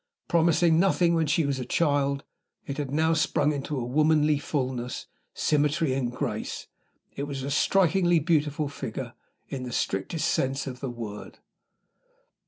Promising nothing when she was a child, it had now sprung into womanly fullness, symmetry, and grace. It was a strikingly beautiful figure, in the strictest sense of the word.